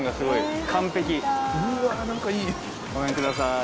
ごめんください。